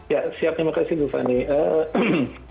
ya siap terima kasih bu fani